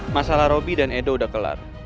masalah robby dan edo udah kelar